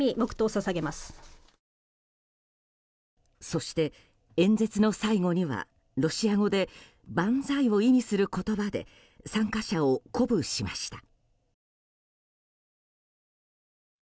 そして演説の最後にはロシア語で万歳を意味する言葉で参加者を鼓舞しました。